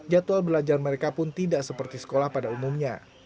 jadwal belajar mereka pun tidak seperti sekolah pada umumnya